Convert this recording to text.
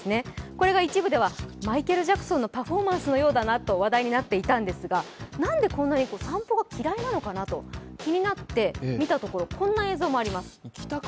これが一部ではマイケル・ジャクソンのパフォーマンスのようだと話題になっていたんですが、なんでこんなに散歩が嫌いなのかなと気になっていたところ、こんな映像もあります。